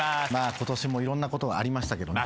今年もいろんなことありましたけどね。